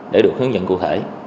để được hướng dẫn cụ thể